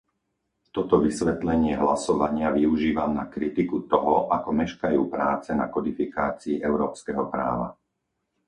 Toto vysvetlenie hlasovania využívam na kritiku toho, ako meškajú práce na kodifikácii európskeho práva.